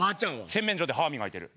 洗面所で歯磨いてる。